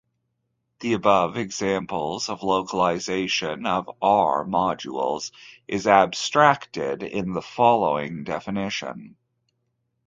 The above examples of localization of "R"-modules is abstracted in the following definition.